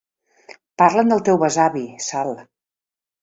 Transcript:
Parlen del teu besavi, Sal.